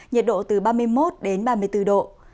nhiệt độ từ ba mươi một đến ba mươi bốn độ